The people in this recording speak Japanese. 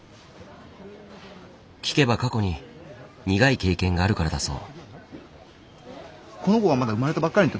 聞けば過去に苦い経験があるからだそう。